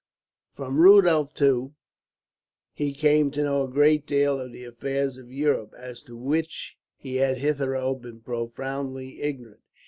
From Rudolph, too, he came to know a great deal of the affairs of Europe, as to which he had hitherto been profoundly ignorant.